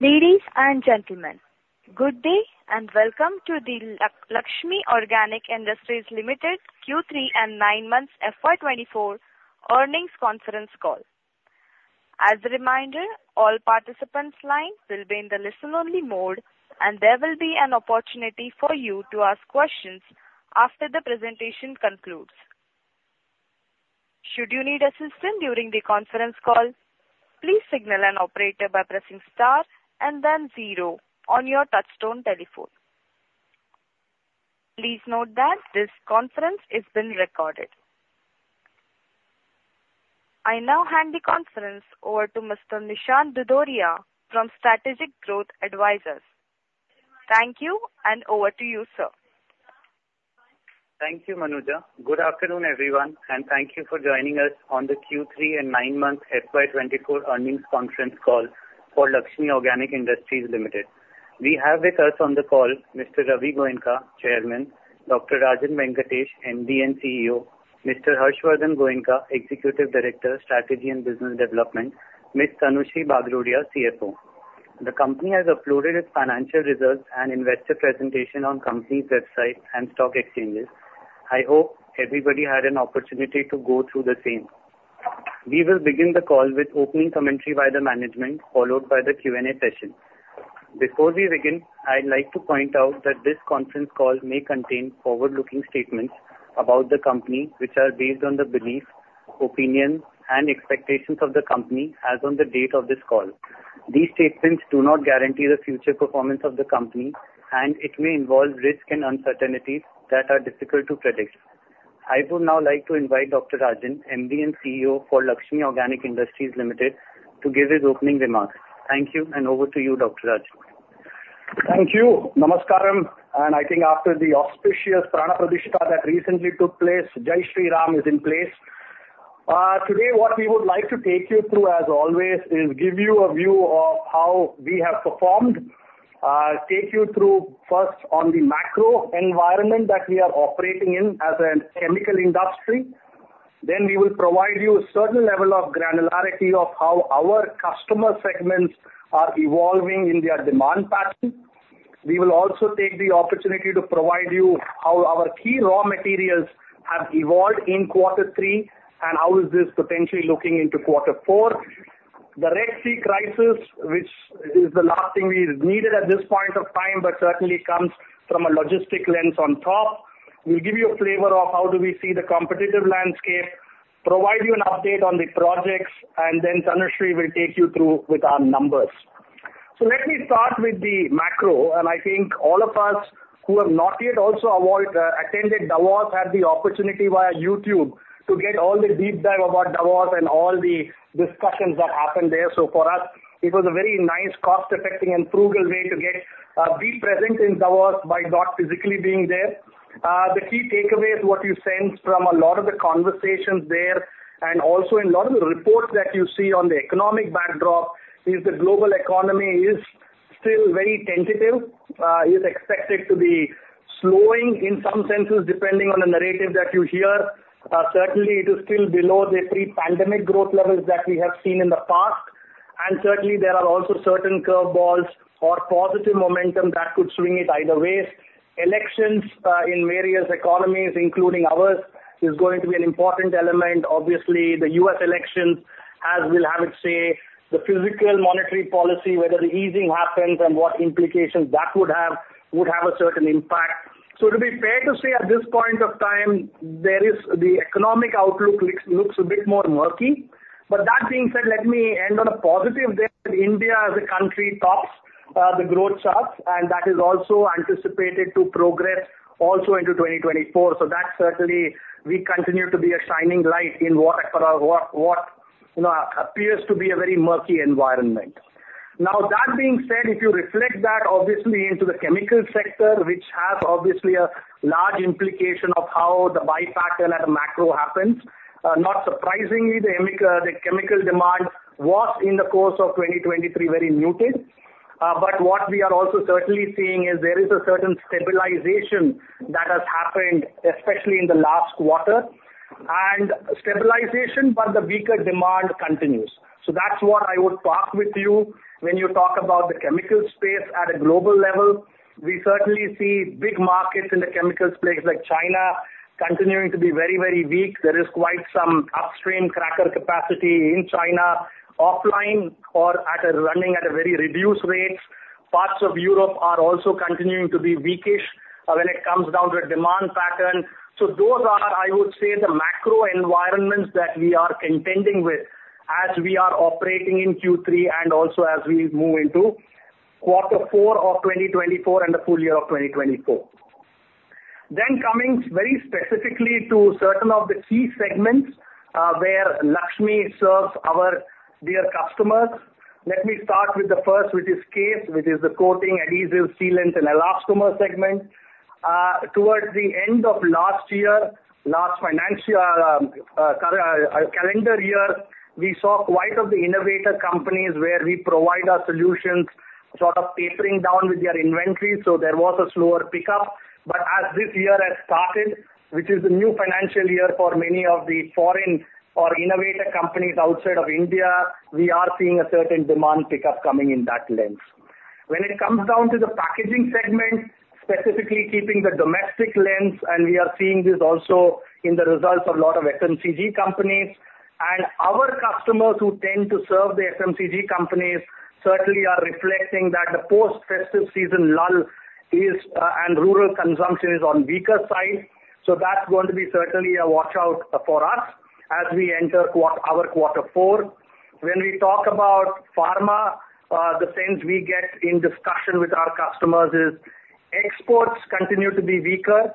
Ladies and gentlemen, good day, and welcome to the Laxmi Organic Industries Limited Q3 and nine months FY 2024 earnings conference call. As a reminder, all participants' lines will be in the listen-only mode, and there will be an opportunity for you to ask questions after the presentation concludes. Should you need assistance during the conference call, please signal an operator by pressing star and then zero on your touchtone telephone. Please note that this conference is being recorded. I now hand the conference over to Mr. Nishant Dudhodia from Strategic Growth Advisors. Thank you, and over to you, sir. Thank you, Manuja. Good afternoon, everyone, and thank you for joining us on the Q3 and nine-month FY 2024 earnings conference call for Laxmi Organic Industries Limited. We have with us on the call Mr. Ravi Goenka, Chairman, Dr. Rajan Venkatesh, MD and CEO, Mr. Harshvardhan Goenka, Executive Director, Strategy and Business Development, Ms. Tanushree Bagrodia, CFO. The company has uploaded its financial results and investor presentation on company's website and stock exchanges. I hope everybody had an opportunity to go through the same. We will begin the call with opening commentary by the management, followed by the Q&A session. Before we begin, I'd like to point out that this conference call may contain forward-looking statements about the company, which are based on the beliefs, opinions, and expectations of the company as on the date of this call. These statements do not guarantee the future performance of the company, and it may involve risks and uncertainties that are difficult to predict. I would now like to invite Dr. Rajan, MD and CEO for Laxmi Organic Industries Limited, to give his opening remarks. Thank you, and over to you, Dr. Raj. Thank you. Namaskaram, and I think after the auspicious Pran Pratishtha that recently took place, Jai Shri Ram is in place. Today, what we would like to take you through, as always, is give you a view of how we have performed. Take you through first on the macro environment that we are operating in as a chemical industry. Then we will provide you a certain level of granularity of how our customer segments are evolving in their demand pattern. We will also take the opportunity to provide you how our key raw materials have evolved in quarter three, and how is this potentially looking into quarter four. The Red Sea crisis, which is the last thing we needed at this point of time, but certainly comes from a logistic lens on top. We'll give you a flavor of how do we see the competitive landscape, provide you an update on the projects, and then Tanushree will take you through with our numbers. So let me start with the macro, and I think all of us who have not yet attended Davos had the opportunity via YouTube to get all the deep dive about Davos and all the discussions that happened there. So for us, it was a very nice cost-effective and frugal way to get be present in Davos by not physically being there. The key takeaway is what you sense from a lot of the conversations there, and also in a lot of the reports that you see on the economic backdrop, is the global economy is still very tentative, is expected to be slowing in some senses, depending on the narrative that you hear. Certainly, it is still below the pre-pandemic growth levels that we have seen in the past, and certainly there are also certain curveballs or positive momentum that could swing it either ways. Elections in various economies, including ours, is going to be an important element. Obviously, the U.S. election, as we'll have it say, the physical monetary policy, whether the easing happens and what implications that would have, would have a certain impact. So it'll be fair to say at this point of time, there is the economic outlook looks a bit more murky. But that being said, let me end on a positive note: India, as a country, tops the growth charts, and that is also anticipated to progress also into 2024. So that certainly we continue to be a shining light in what for our, you know, appears to be a very murky environment. Now, that being said, if you reflect that obviously into the chemical sector, which has obviously a large implication of how the buy pattern at a macro happens, not surprisingly, the chemical demand was, in the course of 2023, very muted. But what we are also certainly seeing is there is a certain stabilization that has happened, especially in the last quarter, and stabilization, but the weaker demand continues. So that's what I would talk with you when you talk about the chemical space at a global level. We certainly see big markets in the chemicals place like China, continuing to be very, very weak. There is quite some upstream cracker capacity in China, offline or running at very reduced rates. Parts of Europe are also continuing to be weakish, when it comes down to the demand pattern. So those are, I would say, the macro environments that we are contending with as we are operating in Q3 and also as we move into quarter four of 2024 and the full year of 2024. Then, coming very specifically to certain of the key segments, where Laxmi serves our dear customers. Let me start with the first, which is CASE, which is the coating, adhesives, sealants, and elastomers segment. Towards the end of last year, last financial, calendar year, we saw quite of the innovator companies where we provide our solutions, sort of tapering down with their inventory, so there was a slower pickup. But as this year has started, which is a new financial year for many of the foreign or innovator companies outside of India, we are seeing a certain demand pickup coming in that lens... When it comes down to the packaging segment, specifically keeping the domestic lens, and we are seeing this also in the results of a lot of FMCG companies. And our customers who tend to serve the FMCG companies certainly are reflecting that the post-festive season lull is, and rural consumption is on weaker side. So that's going to be certainly a watch-out for us as we enter our quarter four. When we talk about pharma, the sense we get in discussion with our customers is, exports continue to be weaker,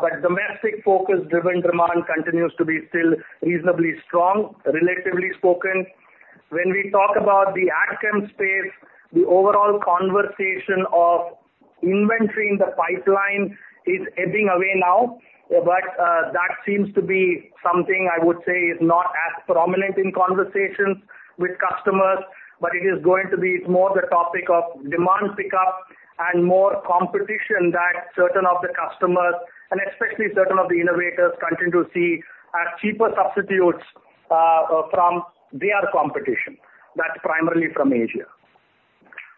but domestic focus-driven demand continues to be still reasonably strong, relatively spoken. When we talk about the ag chem space, the overall conversation of inventory in the pipeline is ebbing away now, but that seems to be something I would say is not as prominent in conversations with customers, but it is going to be more the topic of demand pickup and more competition that certain of the customers, and especially certain of the innovators, continue to see as cheaper substitutes from their competition, that's primarily from Asia.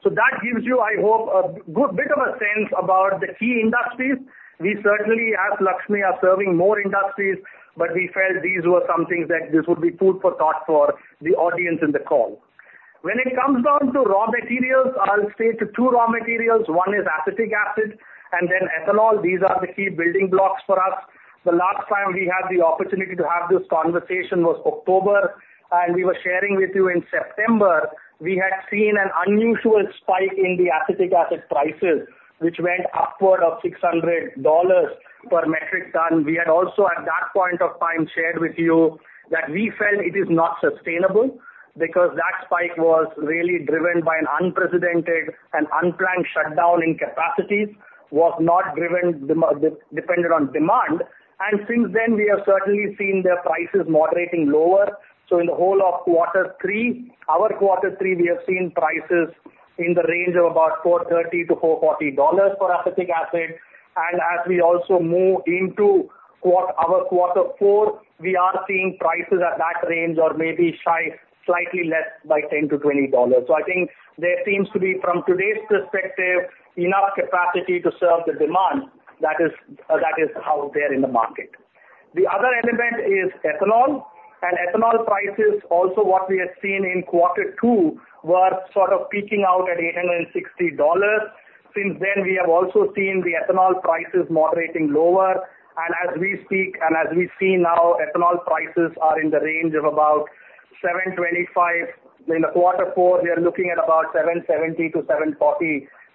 So that gives you, I hope, a good bit of a sense about the key industries. We certainly, as Laxmi, are serving more industries, but we felt these were some things that this would be food for thought for the audience in the call. When it comes down to raw materials, I'll state two raw materials. One is acetic acid and then ethanol. These are the key building blocks for us. The last time we had the opportunity to have this conversation was October, and we were sharing with you in September, we had seen an unusual spike in the acetic acid prices, which went upward of $600 per metric ton. We had also, at that point of time, shared with you that we felt it is not sustainable because that spike was really driven by an unprecedented and unplanned shutdown in capacities, was not driven demand-dependent on demand. And since then, we have certainly seen their prices moderating lower. So in the whole of quarter three, our quarter three, we have seen prices in the range of about $430-$440 for acetic Acid. And as we also move into quarter our quarter four, we are seeing prices at that range or maybe slightly less by $10-$20. So I think there seems to be, from today's perspective, enough capacity to serve the demand. That is, that is how they're in the market. The other element is ethanol, and ethanol prices also, what we had seen in quarter two, were sort of peaking out at $860. Since then, we have also seen the ethanol prices moderating lower, and as we speak and as we see now, ethanol prices are in the range of about $725. In the quarter four, we are looking at about $770-$740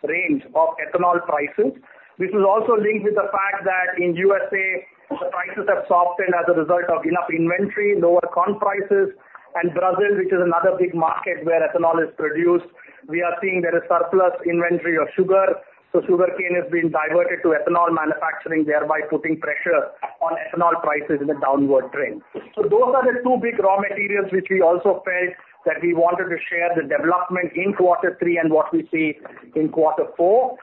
range of ethanol prices. This is also linked with the fact that in USA, the prices have softened as a result of enough inventory, lower corn prices, and Brazil, which is another big market where ethanol is produced, we are seeing there is surplus inventory of sugar. So sugarcane has been diverted to ethanol manufacturing, thereby putting pressure on ethanol prices in a downward trend. So those are the two big raw materials, which we also felt that we wanted to share the development in quarter three and what we see in quarter four.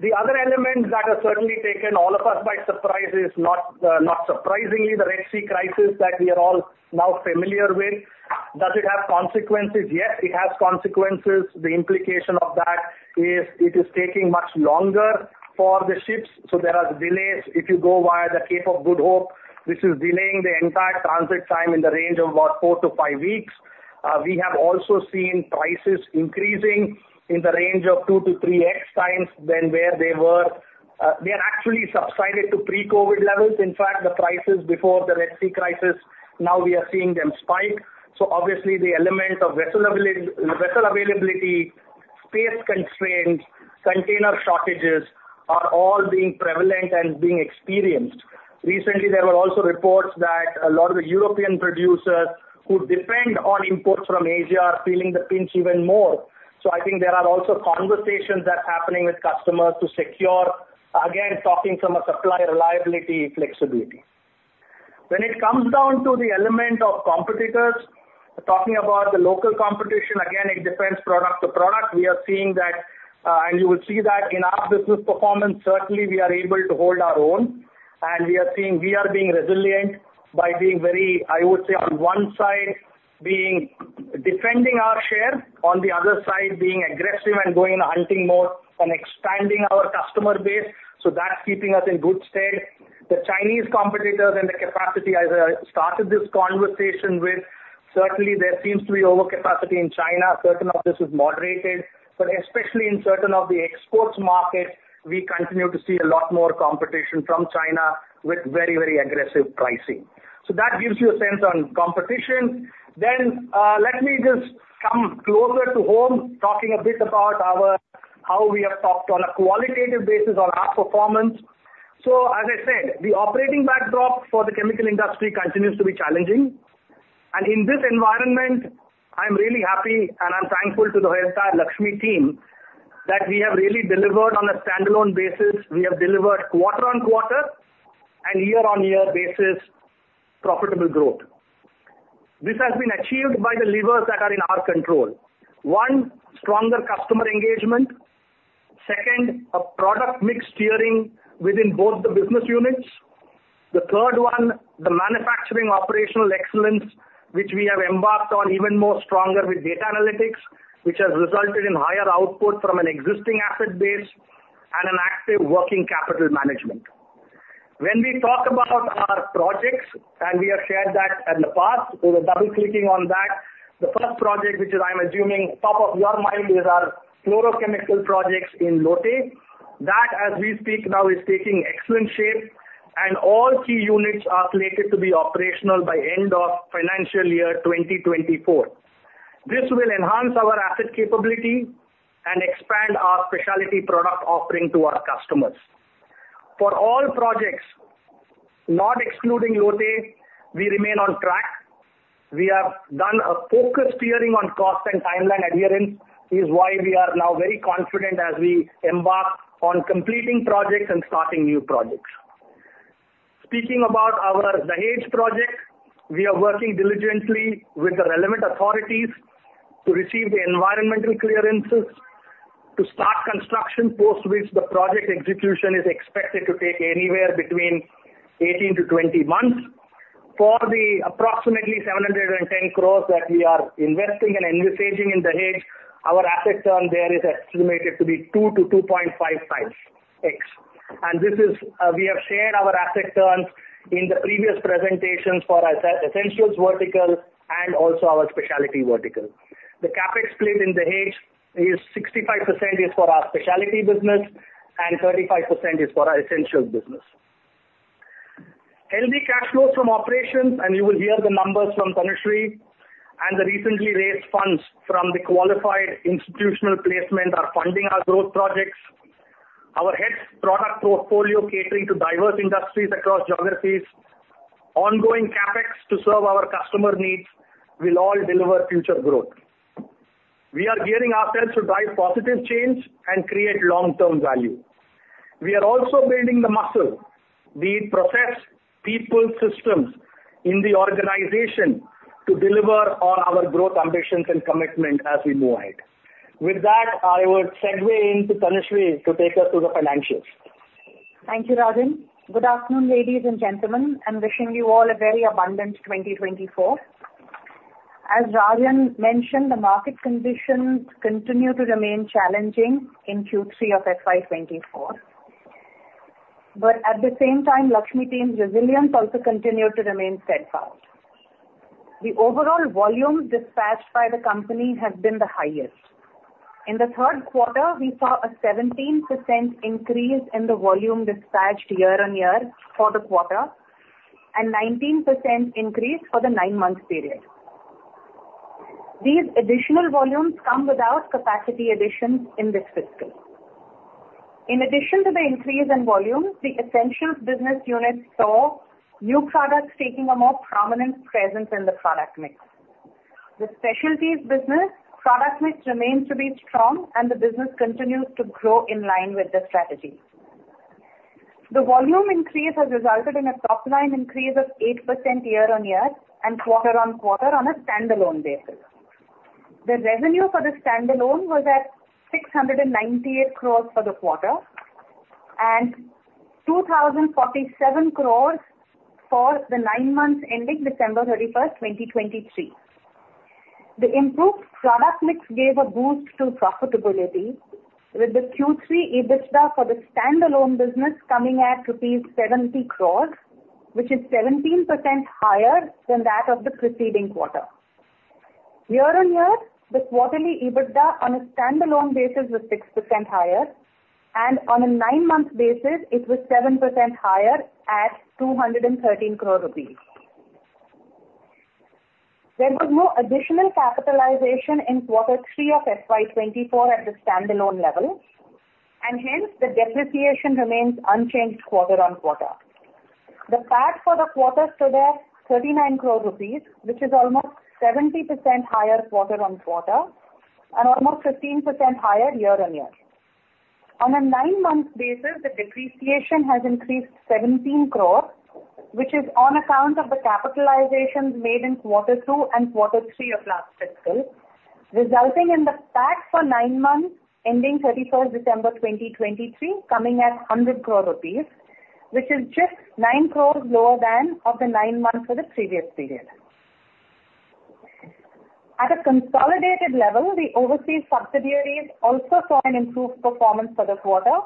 The other elements that have certainly taken all of us by surprise is not, not surprisingly, the Red Sea crisis that we are all now familiar with. Does it have consequences? Yes, it has consequences. The implication of that is it is taking much longer for the ships, so there are delays. If you go via the Cape of Good Hope, this is delaying the entire transit time in the range of about four to five weeks. We have also seen prices increasing in the range of 2-3x times than where they were. They are actually subsided to pre-COVID levels. In fact, the prices before the Red Sea crisis, now we are seeing them spike. So obviously, the element of vessel availability, space constraints, container shortages, are all being prevalent and being experienced. Recently, there were also reports that a lot of the European producers who depend on imports from Asia, are feeling the pinch even more. So I think there are also conversations that are happening with customers to secure, again, talking from a supply reliability, flexibility. When it comes down to the element of competitors, talking about the local competition, again, it depends product to product. We are seeing that, and you will see that in our business performance, certainly, we are able to hold our own, and we are seeing... We are being resilient by being very, I would say, on one side, being defending our share, on the other side, being aggressive and going into hunting mode and expanding our customer base, so that's keeping us in good stead. The Chinese competitors and the capacity, as I started this conversation with, certainly there seems to be overcapacity in China. Certain of this is moderated, but especially in certain of the export markets, we continue to see a lot more competition from China with very, very aggressive pricing. So that gives you a sense on competition. Then, let me just come closer to home, talking a bit about our how we have talked on a qualitative basis on our performance. So as I said, the operating backdrop for the chemical industry continues to be challenging. In this environment, I'm really happy, and I'm thankful to the entire Laxmi team, that we have really delivered on a standalone basis. We have delivered quarter-on-quarter and year-on-year basis, profitable growth. This has been achieved by the levers that are in our control. One, stronger customer engagement. Second, a product mix steering within both the business units. The third one, the manufacturing operational excellence, which we have embarked on even more stronger with data analytics, which has resulted in higher output from an existing asset base and an active working capital management. When we talk about our projects, and we have shared that in the past, we were double-clicking on that. The first project, which I'm assuming top of your mind, is our chlorochemical projects in Lote. That, as we speak now, is taking excellent shape, and all key units are slated to be operational by end of financial year 2024. This will enhance our asset capability and expand our specialty product offering to our customers. For all projects, not excluding Lote, we remain on track. We have done a focused steering on cost and timeline adherence, is why we are now very confident as we embark on completing projects and starting new projects. Speaking about our Dahej project, we are working diligently with the relevant authorities to receive the environmental clearances to start construction, post which the project execution is expected to take anywhere between 18-20 months. For the approximately 710 crore that we are investing and envisaging in Dahej, our asset turn there is estimated to be 2-2.5x. And this is, we have shared our asset turns in the previous presentations for our essentials vertical and also our specialty vertical. The CapEx split in Dahej is 65% is for our specialty business and 35% is for our essentials business. Healthy cash flow from operations, and you will hear the numbers from Tanushree, and the recently raised funds from the qualified institutional placement are funding our growth projects. Our HETS product portfolio catering to diverse industries across geographies, ongoing CapEx to serve our customer needs will all deliver future growth. We are gearing ourselves to drive positive change and create long-term value. We are also building the muscle, the process, people, systems in the organization to deliver on our growth ambitions and commitment as we move ahead. With that, I will segue into Tanushree to take us through the financials. Thank you, Rajan. Good afternoon, ladies and gentlemen, and wishing you all a very abundant 2024. As Rajan mentioned, the market conditions continue to remain challenging in Q3 of FY 2024. But at the same time, Laxmi team's resilience also continued to remain steadfast. The overall volume dispatched by the company has been the highest. In the third quarter, we saw a 17% increase in the volume dispatched year-on-year for the quarter and 19% increase for the nine-month period. These additional volumes come without capacity additions in this fiscal. In addition to the increase in volume, the essentials business unit saw new products taking a more prominent presence in the product mix. The specialties business product mix remains to be strong, and the business continues to grow in line with the strategy. The volume increase has resulted in a top-line increase of 8% year-on-year and quarter-on-quarter on a standalone basis. The revenue for the standalone was at 698 crore for the quarter, and 2,047 crore for the nine months ending December thirty-first, 2023. The improved product mix gave a boost to profitability, with the Q3 EBITDA for the standalone business coming at rupees 70 crore, which is 17% higher than that of the preceding quarter. Year-on-year, the quarterly EBITDA on a standalone basis was 6% higher, and on a nine-month basis, it was 7% higher at 213 crore rupees. There was no additional capitalization in quarter three of FY 2024 at the standalone level, and hence, the depreciation remains unchanged quarter on quarter. The PAT for the quarter stood at 39 crore rupees, which is almost 70% higher quarter-on-quarter and almost 15% higher year-on-year. On a nine-month basis, the depreciation has increased 17 crore, which is on account of the capitalizations made in quarter two and quarter three of last fiscal, resulting in the PAT for nine months ending 31st December 2023, coming at 100 crore rupees, which is just 9 crore lower than of the nine months for the previous period. At a consolidated level, the overseas subsidiaries also saw an improved performance for this quarter,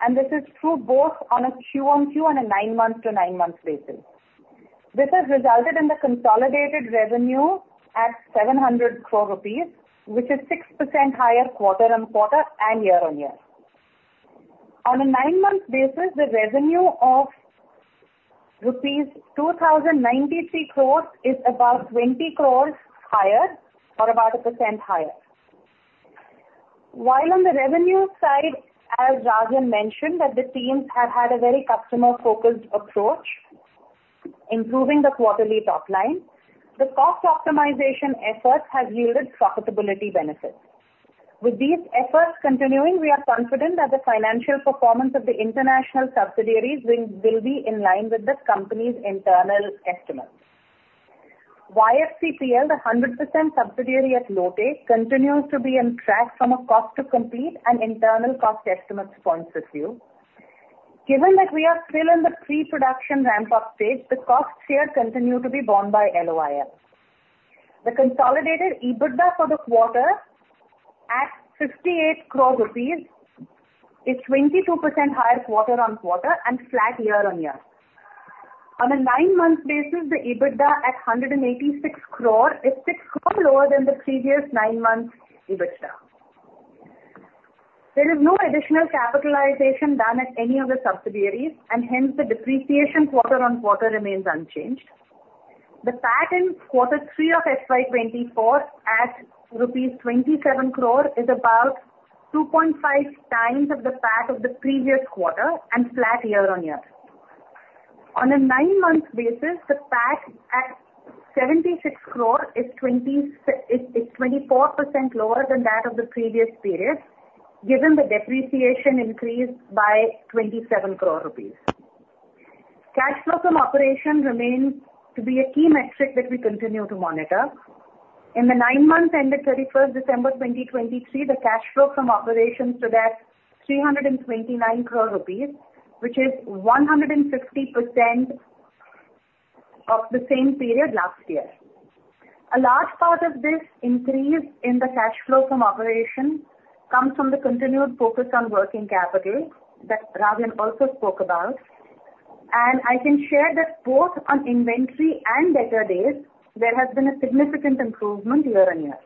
and this is through both on a Q-on-Q on a nine-month to nine-month basis. This has resulted in the consolidated revenue at 700 crore rupees, which is 6% higher quarter-on-quarter and year-on-year. On a nine-month basis, the revenue of rupees 2,093 crore is about 20 crore higher or about 1% higher. While on the revenue side, as Rajan mentioned, that the teams have had a very customer-focused approach, improving the quarterly top line, the cost optimization efforts have yielded profitability benefits. With these efforts continuing, we are confident that the financial performance of the international subsidiaries will be in line with the company's internal estimates. YFCPL, the 100% subsidiary at Lote, continues to be on track from a cost to complete and internal cost estimates point of view. Given that we are still in the pre-production ramp-up stage, the costs here continue to be borne by LOIL. The consolidated EBITDA for the quarter at 58 crore rupees is 22% higher quarter-on-quarter and flat year-on-year. On a 9-month basis, the EBITDA at 186 crore is 6 crore lower than the previous nine months EBITDA. There is no additional capitalization done at any of the subsidiaries, and hence the depreciation quarter-on-quarter remains unchanged. The PAT in quarter three of FY 2024 at rupees 27 crore is about 2.5x of the PAT of the previous quarter and flat year-on-year. On a nine month basis, the PAT at 76 crore is 24% lower than that of the previous period, given the depreciation increase by 27 crore rupees. Cash flow from operations remains to be a key metric that we continue to monitor. In the nine months ended 31st December 2023, the cash flow from operations stood at 329 crore rupees, which is 160% of the same period last year. A large part of this increase in the cash flow from operations comes from the continued focus on working capital that Rajan also spoke about. I can share that both on inventory and debtor days, there has been a significant improvement year-on-year.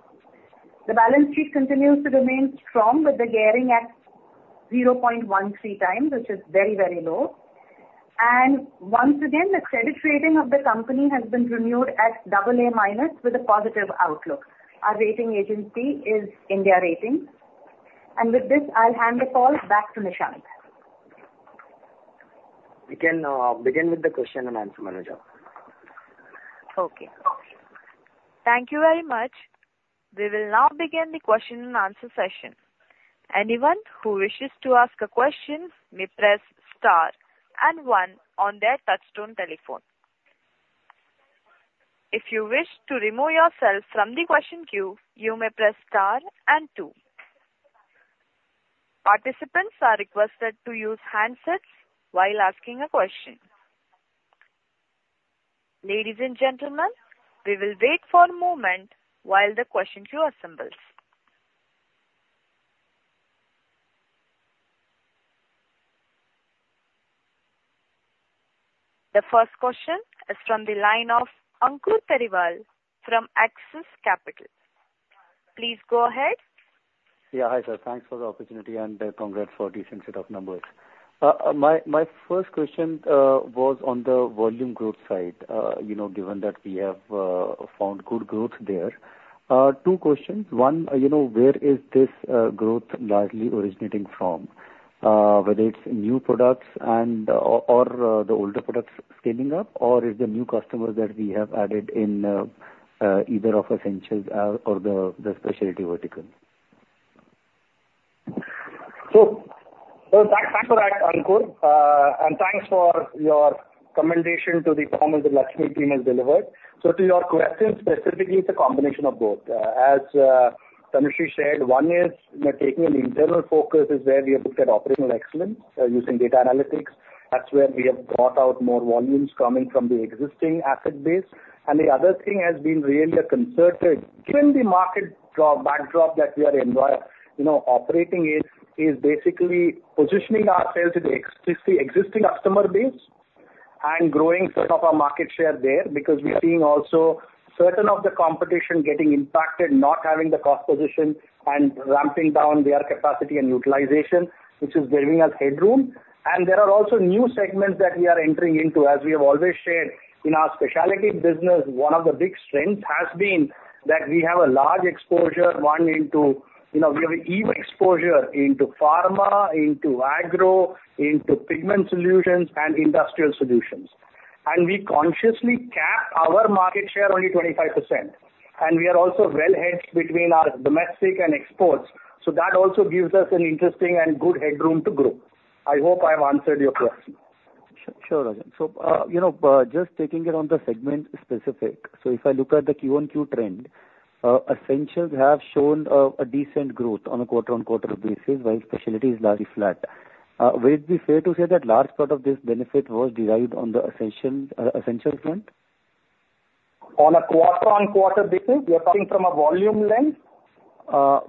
The balance sheet continues to remain strong, with the gearing at 0.13x, which is very, very low. Once again, the credit rating of the company has been renewed at double A minus with a positive outlook. Our rating agency is India Ratings and Research. With this, I'll hand the call back to Nishant. We can begin with the question and answer, Manuja. Okay. Thank you very much. We will now begin the question and answer session. Anyone who wishes to ask a question may press star and one on their touchtone telephone. If you wish to remove yourself from the question queue, you may press star and two. Participants are requested to use handsets while asking a question. Ladies and gentlemen, we will wait for a moment while the question queue assembles. The first question is from the line of Ankur Periwal from Axis Capital. Please go ahead. Yeah. Hi, sir. Thanks for the opportunity, and congrats for a decent set of numbers. My first question was on the volume growth side. You know, given that we have found good growth there. Two questions: One, you know, where is this growth largely originating from? Whether it's new products and, or the older products scaling up, or is the new customers that we have added in either of essentials or the specialty vertical? So, thanks for that, Ankur, and thanks for your commendation to the performance the Laxmi team has delivered. So to your question, specifically, it's a combination of both. As Tanushree said, one is taking an internal focus, where we have looked at operational excellence using data analytics. That's where we have brought out more volumes coming from the existing asset base. And the other thing has been really a concerted, given the market tough backdrop that we are environment, you know, operating in, is basically positioning ourselves to the existing customer base and growing sort of our market share there. Because we are seeing also certain of the competition getting impacted, not having the cost position and ramping down their capacity and utilization, which is giving us headroom. And there are also new segments that we are entering into. As we have always shared, in our specialty business, one of the big strengths has been that we have a large exposure, one into, you know, we have an even exposure into pharma, into agro, into pigment solutions and industrial solutions. And we consciously cap our market share only 25%, and we are also well hedged between our domestic and exports, so that also gives us an interesting and good headroom to grow. I hope I have answered your question. Sure, Rajan. So, you know, just taking it on the segment-specific, so if I look at the Q-on-Q trend, essentials have shown a decent growth on a quarter-over-quarter basis, while specialty is largely flat. Will it be fair to say that large part of this benefit was derived on the essential, essential front? On a quarter-on-quarter basis, you are coming from a volume lens?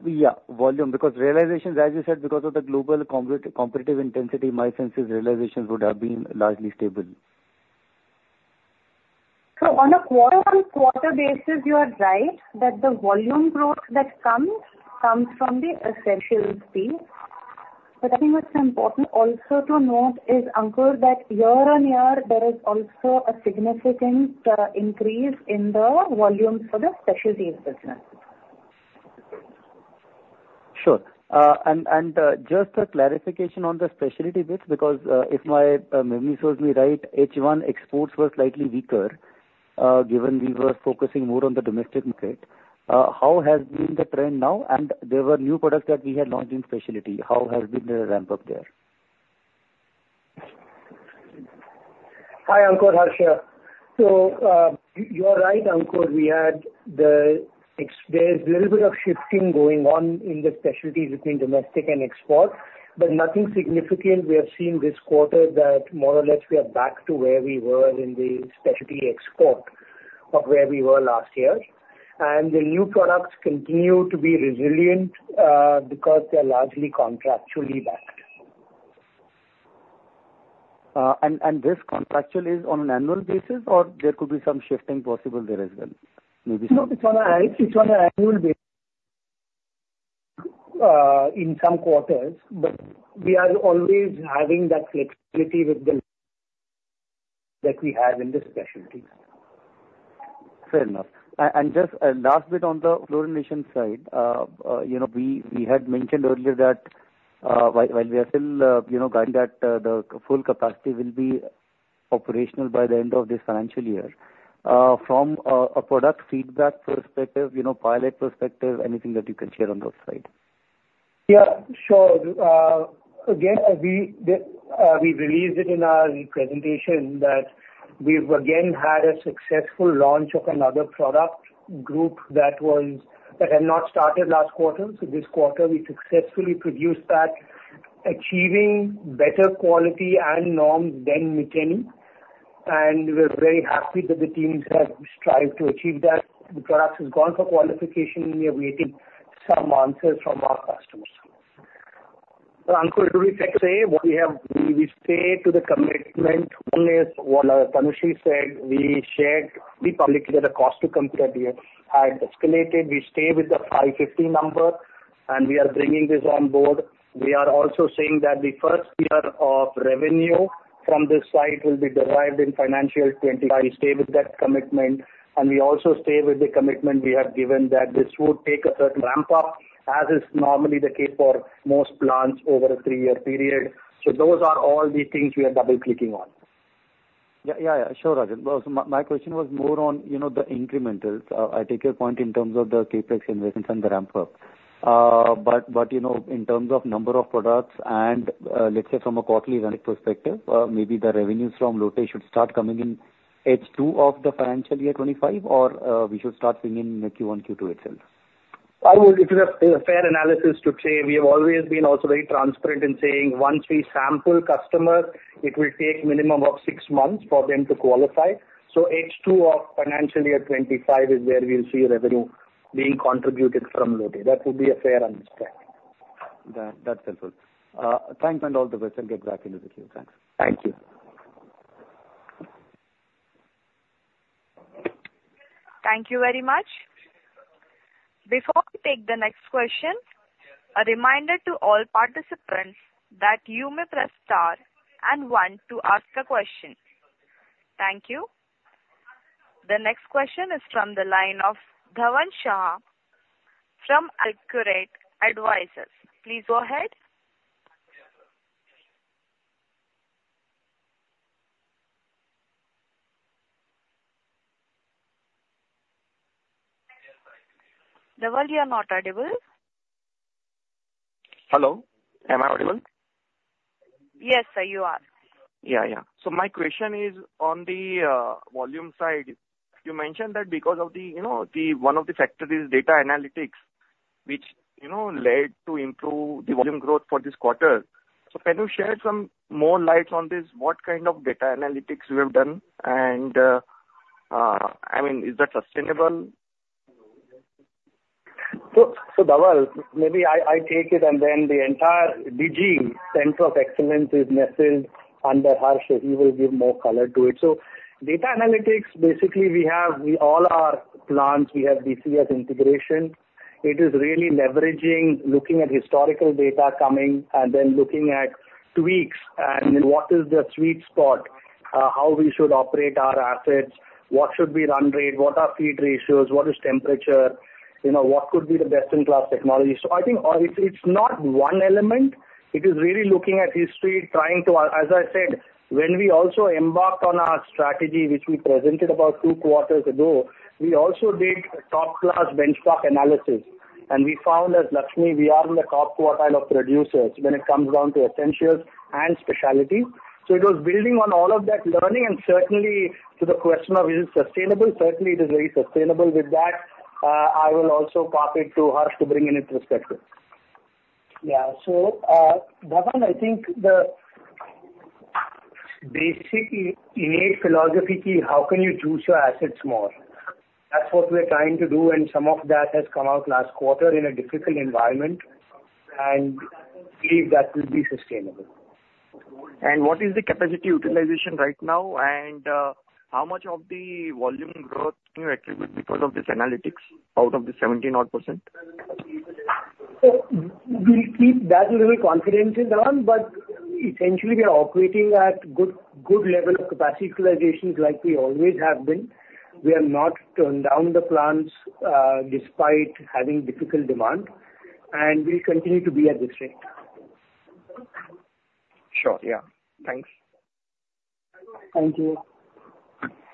Yeah, volume, because realizations, as you said, because of the global competitive intensity, my sense is realizations would have been largely stable. So on a quarter-on-quarter basis, you are right that the volume growth that comes from the essentials piece. But I think what's important also to note is, Ankur, that year-on-year, there is also a significant increase in the volumes for the specialties business. Sure. And just a clarification on the specialty bit, because if my memory serves me right, H1 exports were slightly weaker, given we were focusing more on the domestic market. How has been the trend now? And there were new products that we had launched in specialty. How has been the ramp-up there?... Hi, Ankur, Harsha. So, you are right, Ankur, we had the there's a little bit of shifting going on in the specialties between domestic and export, but nothing significant we have seen this quarter that more or less we are back to where we were in the specialty export of where we were last year. And the new products continue to be resilient, because they are largely contractually backed. And, and this contractual is on an annual basis, or there could be some shifting possible there as well, maybe? No, it's on a, it's on an annual basis, in some quarters, but we are always having that flexibility with that we have in the specialties. Fair enough. And just a last bit on the fluorination side. You know, we had mentioned earlier that while we are still you know guiding that the full capacity will be operational by the end of this financial year. From a product feedback perspective, you know, pilot perspective, anything that you can share on those sides? Yeah, sure. Again, we released it in our presentation that we've again had a successful launch of another product group that was, that had not started last quarter. So this quarter we successfully produced that, achieving better quality and norms than Miteni, and we're very happy that the teams have strived to achieve that. The product has gone for qualification, we are waiting some answers from our customers. But Ankur, say what we have, we stay to the commitment on this. While Tanushree said, we shared, we publicly that the cost to compete here had escalated. We stay with the 550 number, and we are bringing this on board. We are also saying that the first year of revenue from this site will be derived in financial 2025. We stay with that commitment, and we also stay with the commitment we have given that this would take a certain ramp-up, as is normally the case for most plants over a three-year period. So those are all the things we are double clicking on. Yeah, yeah, yeah. Sure, Rajan. Well, so my, my question was more on, you know, the incrementals. I take your point in terms of the CapEx investments and the ramp-up. But, but, you know, in terms of number of products and, let's say from a quarterly revenue perspective, maybe the revenues from Lote should start coming in H2 of the financial year 25, or, we should start seeing in the Q1, Q2 itself? I would... It is a, a fair analysis to say. We have always been also very transparent in saying once we sample customers, it will take minimum of six months for them to qualify. So H2 of financial year 25 is where we'll see revenue being contributed from Lote. That would be a fair understanding. That, that's helpful. Thanks and all the best. I'll get back into the queue. Thanks. Thank you. Thank you very much. Before we take the next question, a reminder to all participants that you may press Star and One to ask a question. Thank you. The next question is from the line of Dhaval Shah from AlfAccurate Advisors. Please go ahead. Dhaval, you are not audible. Hello, am I audible? Yes, sir, you are. Yeah, yeah. So my question is, on the, volume side, you mentioned that because of the, you know, the, one of the factors is data analytics, which, you know, led to improve the volume growth for this quarter. So can you shed some more light on this? What kind of data analytics you have done? And, I mean, is that sustainable? So, Dhaval, maybe I take it, and then the entire DG Center of Excellence is nestled under Harsha. He will give more color to it. So data analytics, basically we have, we all our plants, we have DCS integration. It is really leveraging, looking at historical data coming, and then looking at tweaks and then what is the sweet spot? How we should operate our assets, what should be run rate, what are feed ratios, what is temperature? You know, what could be the best-in-class technology. So I think, it's, it's not one element, it is really looking at history, trying to... As I said, when we also embarked on our strategy, which we presented about two quarters ago, we also did a top-class benchmark analysis, and we found that luckily, we are in the top quartile of producers when it comes down to essentials and specialties. So it was building on all of that learning, and certainly to the question of is it sustainable? Certainly, it is very sustainable. With that, I will also pop it to Harsha to bring in its perspective. Yeah. So, Dhaval, I think the basic innate philosophy is how can you use your assets more? That's what we're trying to do, and some of that has come out last quarter in a difficult environment, and we believe that will be sustainable. What is the capacity utilization right now? And how much of the volume growth can you attribute because of this analytics out of the 70-odd%? So we'll keep that a little confidential, Dhaval, but essentially, we are operating at good, good level of capacity utilizations like we always have been. We have not turned down the plants, despite having difficult demand, and we'll continue to be at this rate. Sure. Yeah. Thanks. Thank you.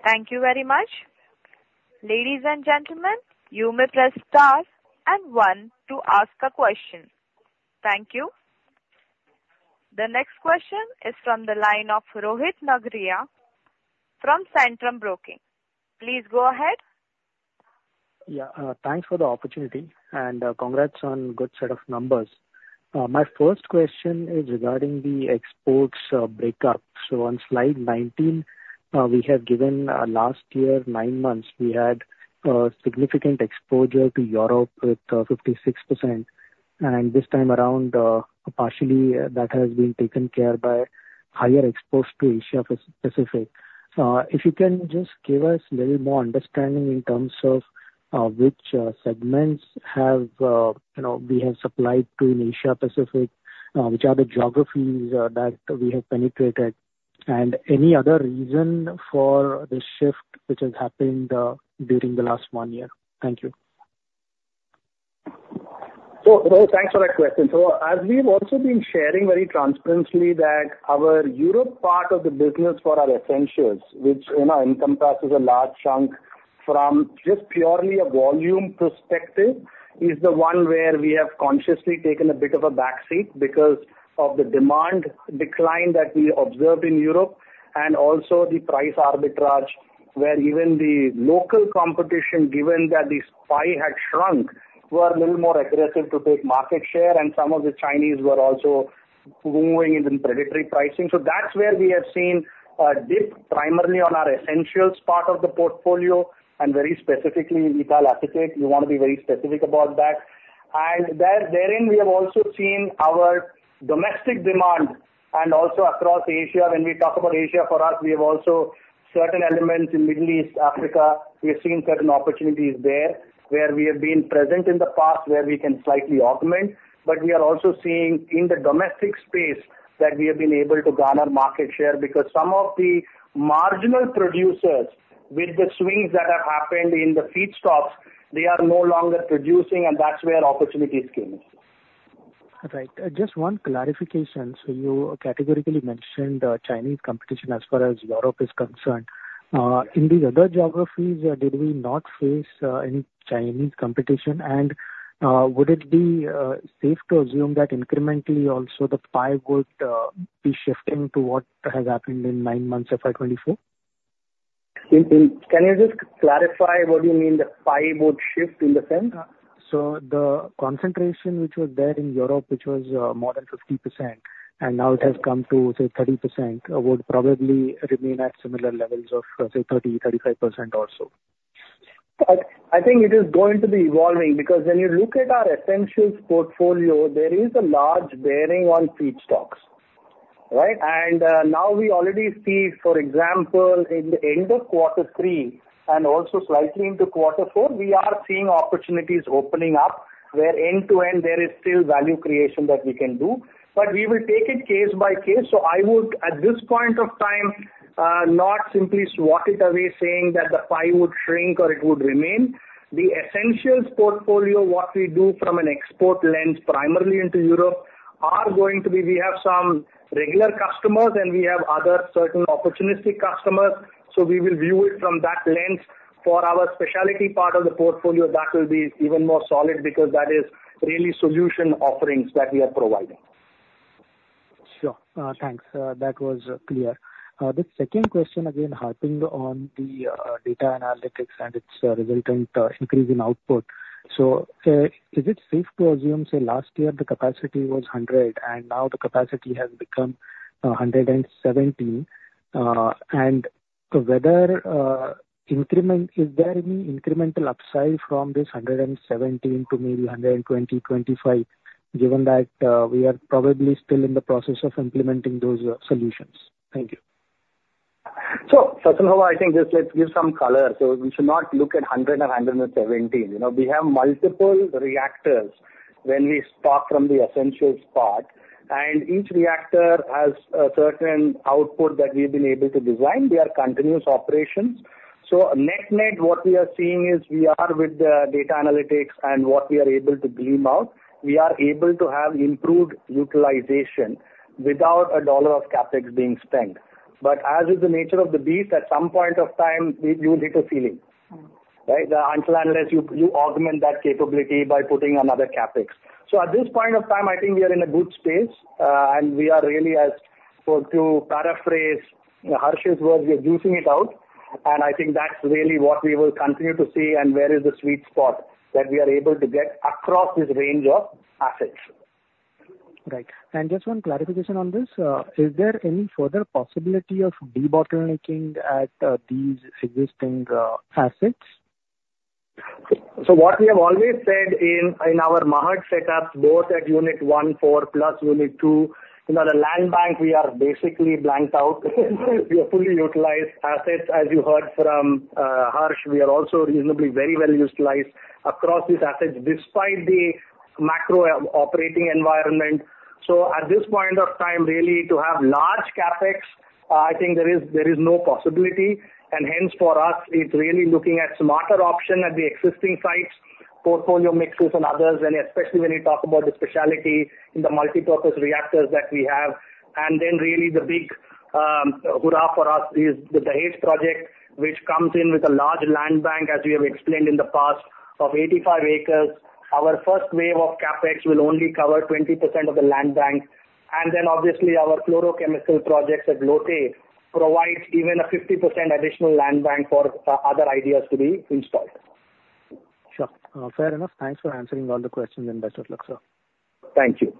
...Thank you very much. Ladies and gentlemen, you may press Star and one to ask a question. Thank you. The next question is from the line of Rohit Nagraj from Centrum Broking. Please go ahead. Yeah, thanks for the opportunity, and congrats on good set of numbers. My first question is regarding the exports breakup. So on slide 19, we have given, last year, nine months, we had significant exposure to Europe with 56%, and this time around, partially that has been taken care of by higher exports to Asia Pacific. If you can just give us a little more understanding in terms of which segments have, you know, we have supplied to in Asia Pacific, which are the geographies that we have penetrated, and any other reason for the shift which has happened during the last one year? Thank you. So Rohit, thanks for that question. So as we've also been sharing very transparently, that our Europe part of the business for our essentials, which, you know, encompasses a large chunk from just purely a volume perspective, is the one where we have consciously taken a bit of a backseat because of the demand decline that we observed in Europe. And also the price arbitrage, where even the local competition, given that the pie had shrunk, were a little more aggressive to take market share, and some of the Chinese were also moving in predatory pricing. So that's where we have seen a dip, primarily on our essentials part of the portfolio, and very specifically in ethyl acetate. We want to be very specific about that. And there, therein, we have also seen our domestic demand and also across Asia. When we talk about Asia, for us, we have also certain elements in Middle East, Africa. We have seen certain opportunities there, where we have been present in the past, where we can slightly augment. But we are also seeing in the domestic space that we have been able to garner market share, because some of the marginal producers, with the swings that have happened in the feedstocks, they are no longer producing, and that's where opportunities came in. Right. Just one clarification. So you categorically mentioned, Chinese competition as far as Europe is concerned. In these other geographies, did we not face, any Chinese competition? And, would it be, safe to assume that incrementally also the pie would, be shifting to what has happened in nine months of FY 2024? Can you just clarify what you mean, the pie would shift in the sense? So the concentration which was there in Europe, which was more than 50%, and now it has come to, say, 30%, would probably remain at similar levels of, say, 30%-35% or so. I think it is going to be evolving, because when you look at our essentials portfolio, there is a large bearing on feedstocks, right? And now we already see, for example, in the end of quarter three and also slightly into quarter four, we are seeing opportunities opening up, where end-to-end there is still value creation that we can do, but we will take it case by case. So I would, at this point of time, not simply swat it away, saying that the pie would shrink or it would remain. The essentials portfolio, what we do from an export lens, primarily into Europe, are going to be, we have some regular customers, and we have other certain opportunistic customers, so we will view it from that lens. For our specialty part of the portfolio, that will be even more solid because that is really solution offerings that we are providing. Sure. Thanks. That was clear. The second question again harping on the, data analytics and its, resultant, increase in output. So, is it safe to assume, say, last year the capacity was 100, and now the capacity has become, 170? And whether, increment, is there any incremental upside from this 117 to maybe 120, 125, given that, we are probably still in the process of implementing those, solutions? Thank you. So, first of all, I think just let's give some color. So we should not look at 100 or 117. You know, we have multiple reactors when we start from the essentials part, and each reactor has a certain output that we've been able to design. They are continuous operations. So net-net, what we are seeing is we are with the data analytics and what we are able to glean out, we are able to have improved utilization without a dollar of CapEx being spent. But as is the nature of the beast, at some point of time, you hit a ceiling, right? Unless you augment that capability by putting another CapEx. So at this point of time, I think we are in a good space, and we are really, as for to paraphrase Harsha's words, "We are juicing it out." And I think that's really what we will continue to see and where is the sweet spot that we are able to get across this range of assets. Right. Just one clarification on this. Is there any further possibility of debottlenecking at these existing assets? So what we have always said in, in our Mahad setups, both at unit 1, 4, plus unit 2, in our land bank, we are basically blanked out. We are fully utilized assets, as you heard from Harsh. We are also reasonably, very well utilized across these assets, despite the macro operating environment. So at this point of time, really, to have large CapEx, I think there is no possibility, and hence for us, it's really looking at smarter option at the existing sites... portfolio mixes and others, and especially when you talk about the specialty in the multipurpose reactors that we have. And then really the big hurrah for us is the Dahej project, which comes in with a large land bank, as we have explained in the past, of 85 acres. Our first wave of CapEx will only cover 20% of the land bank. And then obviously, our chlorochemical projects at Lote provides even a 50% additional land bank for, other ideas to be installed. Sure. Fair enough. Thanks for answering all the questions, and best of luck, sir. Thank you.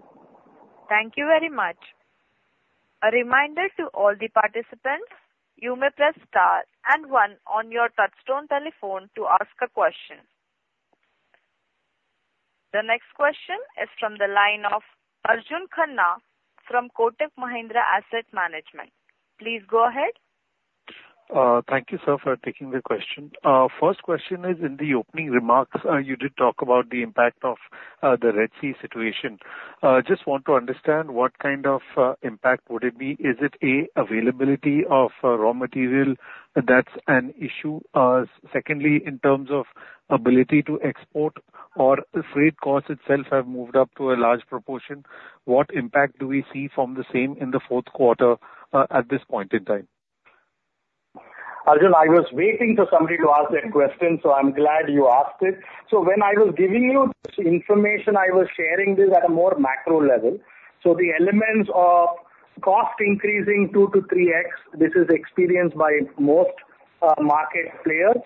Thank you very much. A reminder to all the participants, you may press star and 1 on your touchtone telephone to ask a question. The next question is from the line of Arjun Khanna from Kotak Mahindra Asset Management. Please go ahead. Thank you, sir, for taking the question. First question is, in the opening remarks, you did talk about the impact of the Red Sea situation. Just want to understand what kind of impact would it be? Is it, A, availability of raw material that's an issue? Secondly, in terms of ability to export or the freight costs itself have moved up to a large proportion, what impact do we see from the same in the fourth quarter, at this point in time? Arjun, I was waiting for somebody to ask that question, so I'm glad you asked it. So when I was giving you this information, I was sharing this at a more macro level. So the elements of cost increasing 2-3x, this is experienced by most, market players.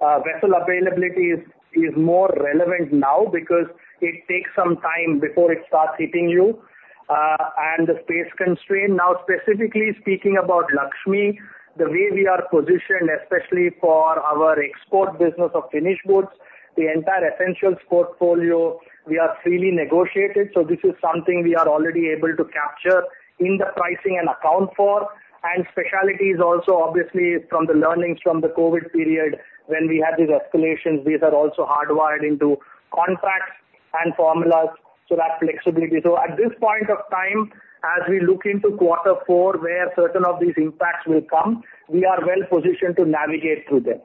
Vessel availability is more relevant now because it takes some time before it starts hitting you, and the space constraint. Now, specifically speaking about Laxmi, the way we are positioned, especially for our export business of finished goods, the entire essentials portfolio, we are freely negotiated, so this is something we are already able to capture in the pricing and account for. And specialties also obviously, from the learnings from the COVID period, when we had these escalations, these are also hardwired into contracts and formulas, so that flexibility. At this point of time, as we look into quarter four, where certain of these impacts will come, we are well positioned to navigate through them.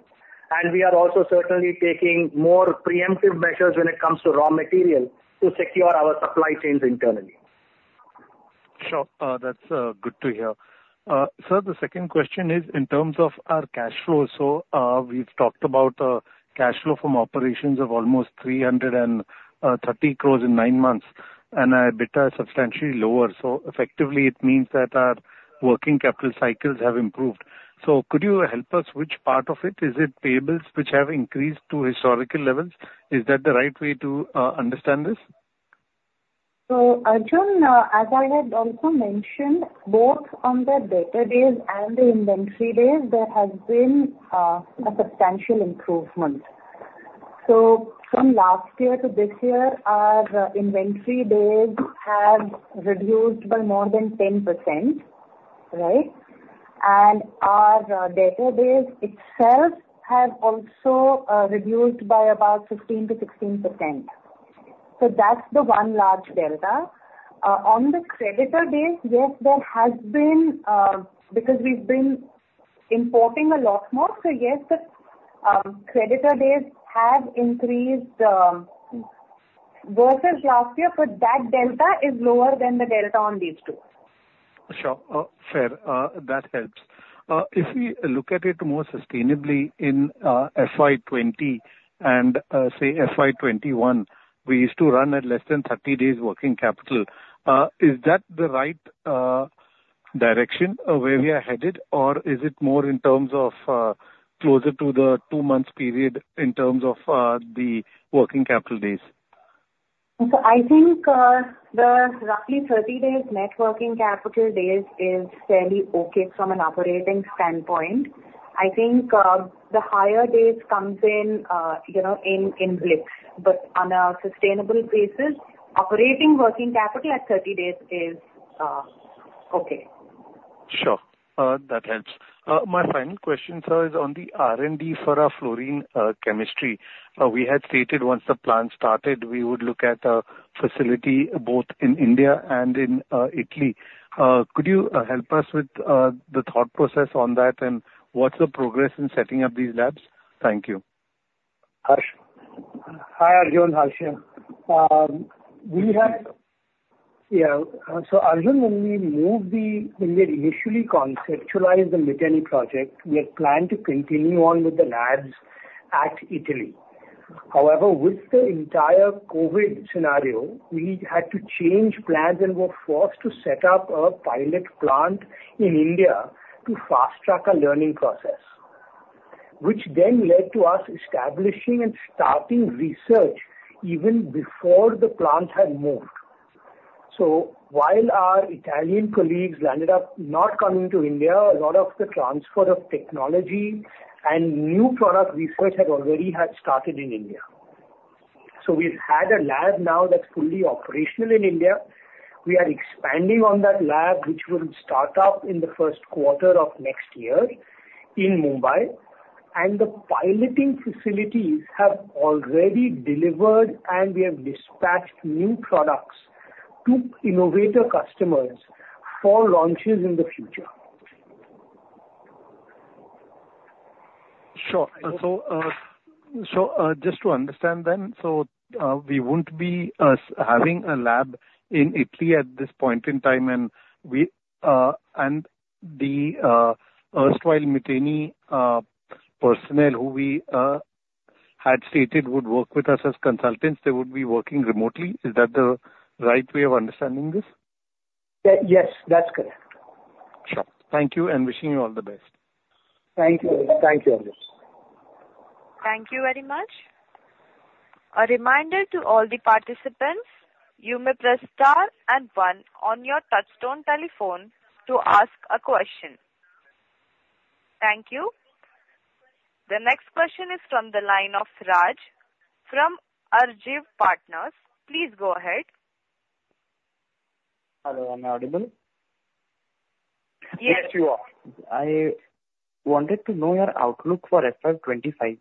We are also certainly taking more preemptive measures when it comes to raw material to secure our supply chains internally. Sure. That's good to hear. Sir, the second question is in terms of our cash flow. So, we've talked about cash flow from operations of almost 330 crores in nine months, and our EBITDA is substantially lower. So effectively, it means that our working capital cycles have improved. So could you help us, which part of it? Is it payables, which have increased to historical levels? Is that the right way to understand this? So, Arjun, as I had also mentioned, both on the debtor days and the inventory days, there has been a substantial improvement. So from last year to this year, our inventory days have reduced by more than 10%, right? And our debtor days itself have also reduced by about 15%-16%. So that's the one large delta. On the creditor days, yes, there has been... Because we've been importing a lot more, so yes, the creditor days have increased versus last year, but that delta is lower than the delta on these two. Sure. Fair. That helps. If we look at it more sustainably in FY 2020 and say FY 2021, we used to run at less than 30 days working capital. Is that the right direction of where we are headed? Or is it more in terms of closer to the two months period in terms of the working capital days? So I think, the roughly 30 days net working capital days is fairly okay from an operating standpoint. I think, the higher days comes in, you know, in, in blitz, but on a sustainable basis, operating working capital at 30 days is, okay. Sure. That helps. My final question, sir, is on the R&D for our fluorine chemistry. We had stated once the plant started, we would look at a facility both in India and in Italy. Could you help us with the thought process on that, and what's the progress in setting up these labs? Thank you. Hi, Arjun. Harsh here. So Arjun, when we initially conceptualized the Miteni project, we had planned to continue on with the labs at Italy. However, with the entire COVID scenario, we had to change plans and were forced to set up a pilot plant in India to fast-track our learning process, which then led to us establishing and starting research even before the plant had moved. So while our Italian colleagues ended up not coming to India, a lot of the transfer of technology and new product research had already had started in India. So we've had a lab now that's fully operational in India. We are expanding on that lab, which will start up in the first quarter of next year in Mumbai. The piloting facilities have already delivered, and we have dispatched new products to innovator customers for launches in the future.... Sure. So, just to understand then, we won't be having a lab in Italy at this point in time, and we, and the erstwhile Miteni personnel who we had stated would work with us as consultants, they would be working remotely. Is that the right way of understanding this? Yes, that's correct. Sure. Thank you and wishing you all the best. Thank you. Thank you, Anders. Thank you very much. A reminder to all the participants, you may press Star and One on your touchtone telephone to ask a question. Thank you. The next question is from the line of Raj from Arjav Partners. Please go ahead. Hello, am I audible? Yes, you are. I wanted to know your outlook for FY 2025.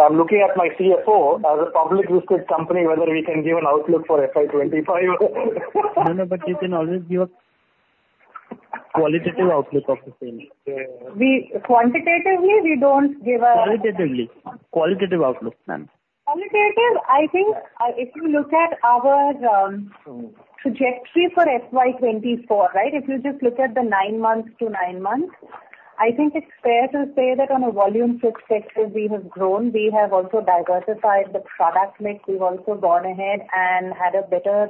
I'm looking at my CFO as a public listed company, whether we can give an outlook for FY 2025. No, no, but you can always give a qualitative outlook of the same. Quantitatively, we don't give a- Qualitatively. Qualitative outlook, ma'am. Qualitatively, I think, if you look at our trajectory for FY 2024, right? If you just look at the nine months to nine months, I think it's fair to say that on a volume perspective, we have grown. We have also diversified the product mix. We've also gone ahead and had a better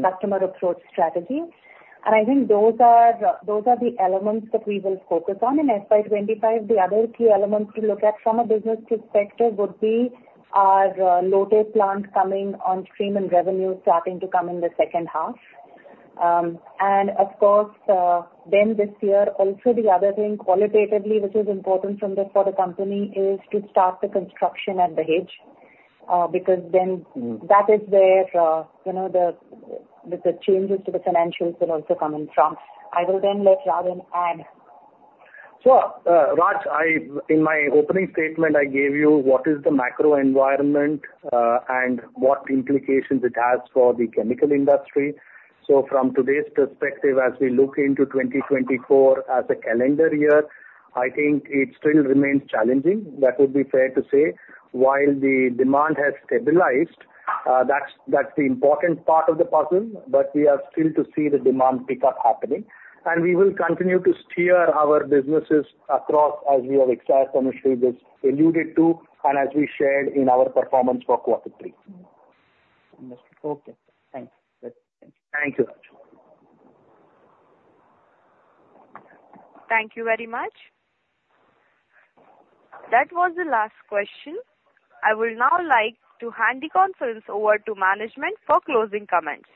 customer approach strategy. And I think those are, those are the elements that we will focus on. In FY 2025, the other key elements to look at from a business perspective would be our Lote plant coming on stream and revenue starting to come in the second half. And of course, then this year also, the other thing qualitatively, which is important from the, for the company, is to start the construction at Dahej. Because then that is where, you know, the changes to the financials will also come in from. I will then let Rajan add. So, Raj, I, in my opening statement, I gave you what is the macro environment, and what implications it has for the chemical industry. So from today's perspective, as we look into 2024 as a calendar year, I think it still remains challenging. That would be fair to say. While the demand has stabilized, that's, that's the important part of the puzzle, but we are still to see the demand pickup happening. And we will continue to steer our businesses across, as we have, Harsha previously just alluded to, and as we shared in our performance for quarter three. Okay, thanks. Thank you. Thank you very much. That was the last question. I would now like to hand the conference over to management for closing comments.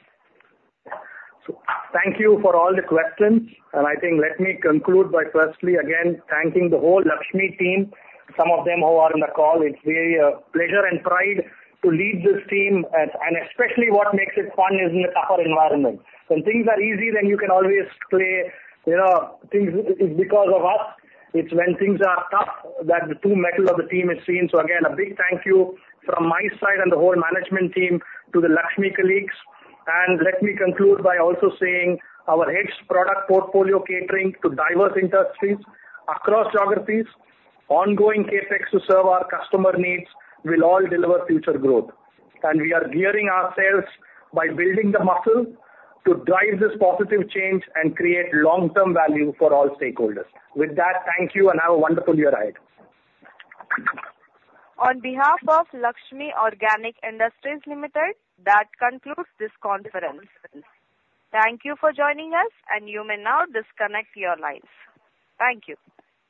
So thank you for all the questions, and I think let me conclude by firstly, again, thanking the whole Laxmi team, some of them who are on the call. It's really a pleasure and pride to lead this team, and especially what makes it fun is in a tougher environment. When things are easy, then you can always say, you know, things, it's because of us. It's when things are tough that the true mettle of the team is seen. So again, a big thank you from my side and the whole management team to the Laxmi colleagues. And let me conclude by also saying our hedged product portfolio catering to diverse industries across geographies, ongoing CapEx to serve our customer needs, will all deliver future growth. And we are gearing ourselves by building the muscle to drive this positive change and create long-term value for all stakeholders. With that, thank you and have a wonderful year ahead. On behalf of Laxmi Organic Industries Limited, that concludes this conference. Thank you for joining us, and you may now disconnect your lines. Thank you.